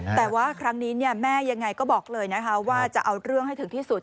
แต่ว่าครั้งนี้แม่ยังไงก็บอกเลยนะคะว่าจะเอาเรื่องให้ถึงที่สุด